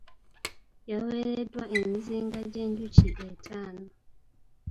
Yaweereddwa emizinga gy'enjuki ettaano .